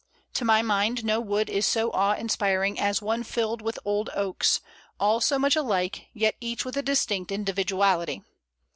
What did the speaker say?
To my mind, no wood is so awe inspiring as one filled with old oaks, all so much alike, yet each with a distinct individuality.